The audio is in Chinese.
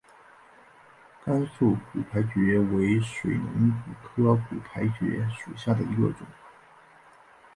甘肃骨牌蕨为水龙骨科骨牌蕨属下的一个种。